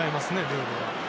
ルールが。